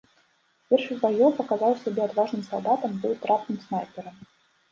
З першых баёў паказаў сябе адважным салдатам, быў трапным снайперам.